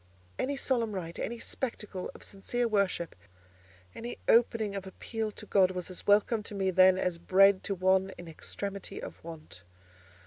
Any solemn rite, any spectacle of sincere worship, any opening for appeal to God was as welcome to me then as bread to one in extremity of want.